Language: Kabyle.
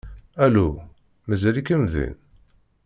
Alu? Mazal-ikem din?